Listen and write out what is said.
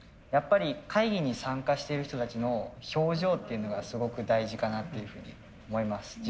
やっぱり会議に参加してる人たちの表情っていうのがすごく大事かなっていうふうに思います。